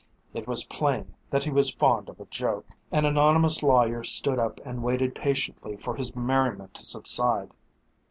It was plain that he was fond of a joke. An anonymous lawyer stood up and waited patiently for his merriment to subside.